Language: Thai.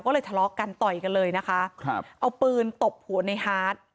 ก็เลยทะเลาะกันต่อยกันเลยนะคะครับเอาปืนตบหัวในฮาร์ด